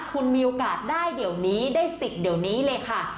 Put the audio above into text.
คุณมีโอกาสได้เดี๋ยวนี้ได้สิทธิ์เดี๋ยวนี้เลยค่ะ